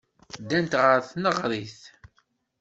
Ddant ɣer tneɣrit.